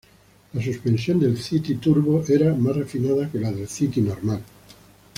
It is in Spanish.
La suspensión del City Turbo era más refinada que la del City normal.